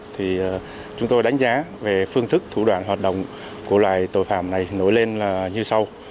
thì chúng tôi đánh giá về phương thức thủ đoạn hoạt động của loại tội phạm này nổi lên là như sau